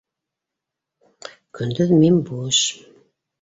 — Көндөҙ мин буш